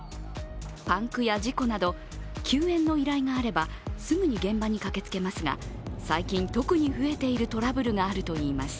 パンクや事故など、救援の依頼があればすぐに現場に駆けつけますが最近、特に増えているトラブルがあるといいます。